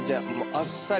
あっさり。